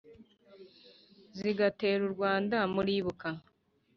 zigatera u rwanda muribuka